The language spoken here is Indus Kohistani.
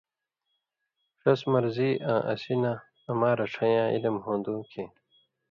ݜس مرض آں اسی نہ اما رڇھئین٘یاں علم ہُوندوۡ کھیں